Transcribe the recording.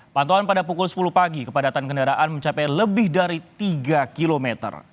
pantauan pada pukul sepuluh pagi kepadatan kendaraan mencapai lebih dari tiga km